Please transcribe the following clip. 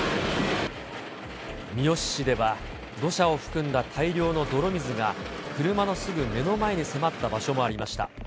三好市では、土砂を含んだ大量の泥水が、車のすぐ目の前に迫った場所もありました。